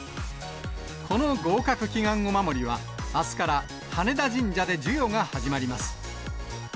この合格祈願お守りは、あすから羽田神社で授与が始まります。